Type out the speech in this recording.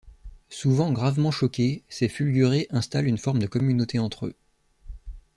Souvent gravement choqués, ces fulgurés installent une forme de communauté entre eux.